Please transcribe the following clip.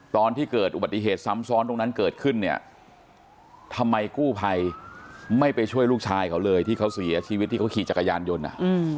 ตอนที่เกิดอุบัติเหตุซ้ำซ้อนตรงนั้นเกิดขึ้นเนี่ยทำไมกู้ภัยไม่ไปช่วยลูกชายเขาเลยที่เขาเสียชีวิตที่เขาขี่จักรยานยนต์อ่ะ